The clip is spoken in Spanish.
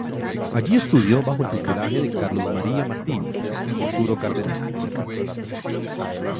Allí estudió bajo el tutelaje de Carlo María Martini, futuro cardenal.